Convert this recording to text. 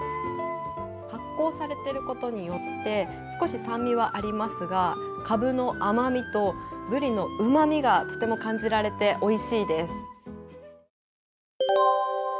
発酵されていることによって、少し酸味はありますが、かぶの甘みとブリのうまみがとても感じられておいしいです。